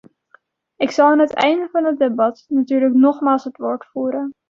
Ik zal aan het einde van het debat natuurlijk nogmaals het woord voeren.